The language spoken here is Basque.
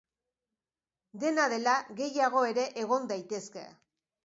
Dena dela, gehiago ere egon daitezke.